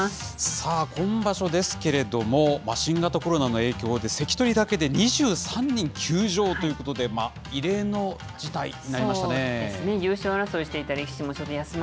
さあ、今場所ですけれども、新型コロナの影響で、関取だけで２３人休場ということで、異例の事態になりましたね。